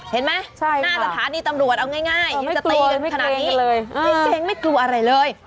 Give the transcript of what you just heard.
เห็นไหมหน้าสถานีตำรวจเอาง่ายมันจะตีกันขนาดนี้เลยเจ๊งไม่กลัวอะไรเลย